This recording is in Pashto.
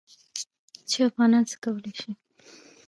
چې افغانان څه کولی شي.